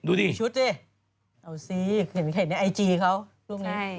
ดูดิชุดสิเอาสิเห็นในไอจีเขารูปนี้